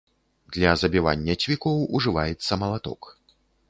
Для забівання цвікоў ужываецца малаток.